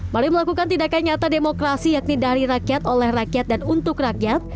mari melakukan tindakan nyata demokrasi yakni dari rakyat oleh rakyat dan untuk rakyat